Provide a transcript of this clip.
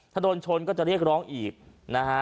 ถ้าโดนชนก็จะเรียกร้องอีกนะฮะ